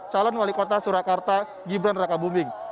calon wali kota surakarta gibran raka buming